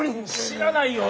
知らないよ。